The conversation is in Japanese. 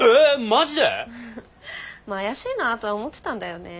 まあ怪しいなとは思ってたんだよね。